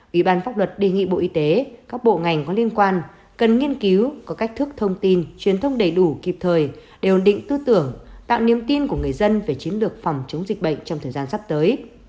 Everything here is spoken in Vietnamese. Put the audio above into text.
ủy ban pháp luật đề nghị bộ y tế các bộ ngành có liên quan cần nghiên cứu có cách thức thông tin truyền thông đầy đủ kịp thời để ổn định tư tưởng tạo niềm tin của người dân về chiến lược phòng chống dịch bệnh trong thời gian sắp tới